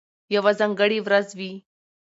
یوه ځانګړې ورځ وي،